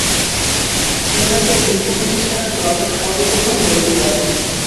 সে ম্যাচে রিপন বিশ্বাস ক্লাবের সর্বপ্রথম গোলটি করেন।